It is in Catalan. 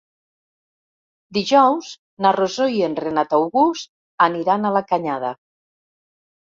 Dijous na Rosó i en Renat August aniran a la Canyada.